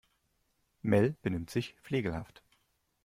Mel benimmt sich flegelhaft.